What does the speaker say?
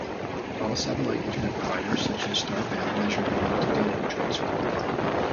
All satellite internet providers such as StarBand measure the amount of data you transfer.